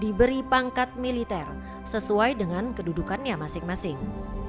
diberi pangkat militer sesuai dengan kedudukannya masing masing